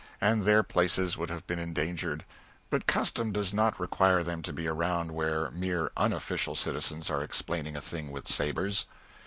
and their places would have been endangered; but custom does not require them to be around where mere unofficial citizens are explaining a thing with sabres.